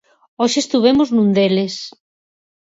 Hoxe estivemos nun deles.